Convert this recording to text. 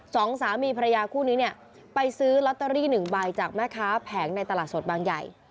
สองสามีภรรยาคู่นี้เนี่ยไปซื้อลอตเตอรี่หนึ่งใบจากแม่ค้าแผงในตลาดสดบางใหญ่